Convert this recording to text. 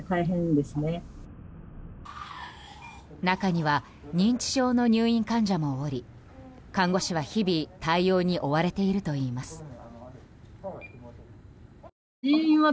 中には認知症の入院患者もおり看護師は日々対応に追われているといいます。